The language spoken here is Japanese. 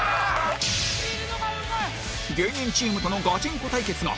芸人チームとのガチンコ対決が